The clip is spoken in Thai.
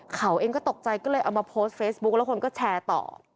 เขาเองก็ตกใจก็เลยเอามาโพสต์เฟซบุ๊คแล้วคนก็แชร์ต่อ